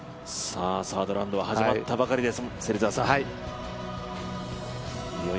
サードラウンドが始まったばかりです。